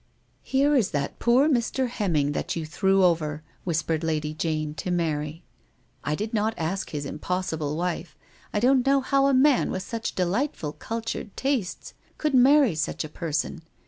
" Here is that poor Mr. Hemming that you threw over," whispered Lady Jane to Mary ;" I did not ask his impossible wife. I don't know how a man with such delightful out ward tastes could marry such a person.